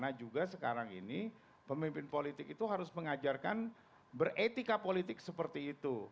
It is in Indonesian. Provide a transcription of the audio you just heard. bagaimana juga sekarang ini pemimpin politik itu harus mengajarkan beretika politik seperti itu